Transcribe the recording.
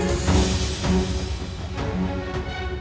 aku sudah berpikir